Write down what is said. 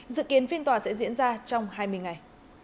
dự kiến phiên tòa sẽ diễn ra trong hai mươi ngày